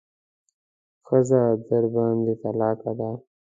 ښځه درباندې طلاقه ده.